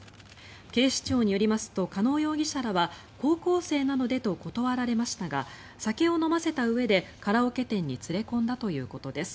警視庁によりますと加納容疑者らは高校生なのでと断られましたが酒を飲ませたうえでカラオケ店に連れ込んだということです。